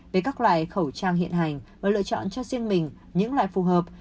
về các loại khẩu trang hiện hành và lựa chọn cho riêng mình những loại phù hợp